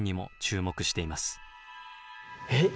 えっ！？